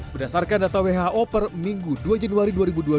berdasarkan data who per minggu dua januari dua ribu dua puluh